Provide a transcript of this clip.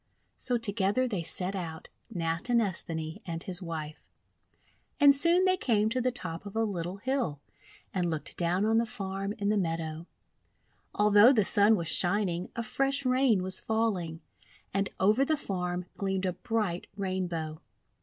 So together they set out, Natinesthani and his wife. And soon they came to the top of a little hill, and looked down on the farm in the meadow. Although the Sun was shining, a fresh Rain was falling. And over the farm gleamed a bright Rainbow.